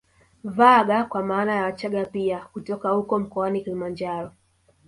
Vaagha kwa maana ya Wachaga pia kutoka huko mkoani Kilimanjaro